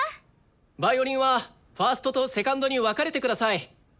ヴァイオリンはファーストとセカンドに分かれてください。